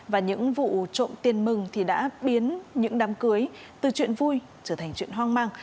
và những vụ trộm tiền mừng thì đã biến những đám cưới từ chuyện vui trở thành chuyện hoang mang